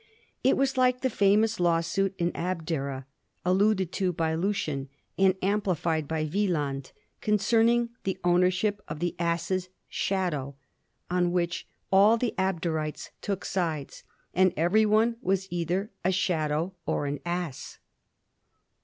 It was like the fomous law suit in Abdera, alluded to by Lucian, and amplified by Wieland, concerning the ownership of the ass's shadow, on which all the Abderites took sides, and every one was either a * Shadow ' or an * Ass.'